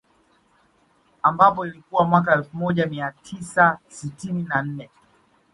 Ambapo ilikuwa mwaka elfu moja mia tisa sitini na nne